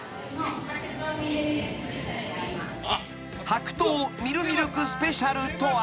［白桃ミルミルクスペシャルとは］